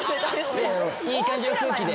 いい感じの空気で。